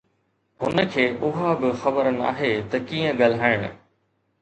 هن کي اها به خبر ناهي ته ڪيئن ڳالهائڻ